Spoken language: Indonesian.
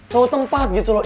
tau tempat gitu loh